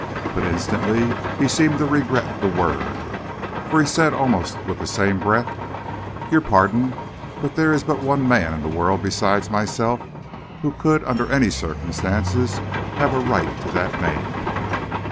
But instantly he seemed to regret the word, for he said almost with the same breath: 'Your pardon, but there is but one man in the world besides myself who could, under any circumstances, have a right to that name.'